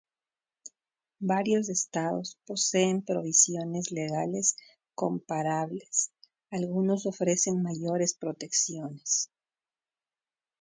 Varios estados poseen provisiones legales comparables; algunos ofrecen mayores protecciones.